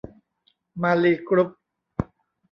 มาลีกรุ๊ป